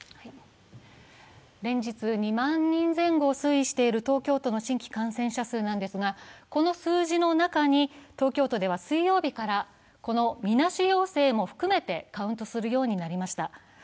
連日、２万人前後推移している東京都の新規感染者数なんですが、この数字の中に東京都では水曜日からみなし陽性も含めてカウントするようになりました。